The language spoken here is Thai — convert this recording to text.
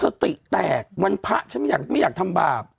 สติแตกวันพระฉันไม่อยากทำบาป